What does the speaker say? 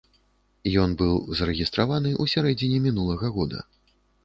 Ён быў зарэгістраваны ў сярэдзіне мінулага года.